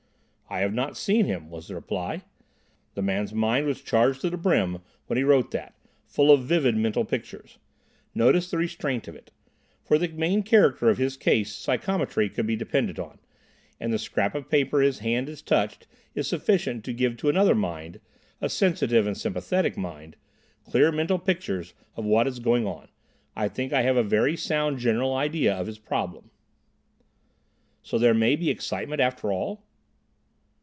"I have not seen him," was the reply. "The man's mind was charged to the brim when he wrote that; full of vivid mental pictures. Notice the restraint of it. For the main character of his case psychometry could be depended upon, and the scrap of paper his hand has touched is sufficient to give to another mind—a sensitive and sympathetic mind—clear mental pictures of what is going on. I think I have a very sound general idea of his problem." "So there may be excitement, after all?"